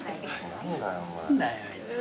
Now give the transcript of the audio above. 何だよあいつ。